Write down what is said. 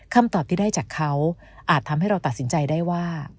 คำตอบที่ได้จากเขาอาจทำให้เราตัดสินใจได้ว่า